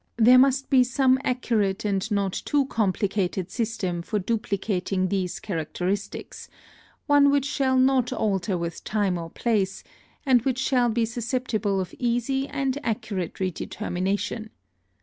There must be some accurate and not too complicated system for duplicating these characteristics, one which shall not alter with time or place, and which shall be susceptible of easy and accurate redetermination.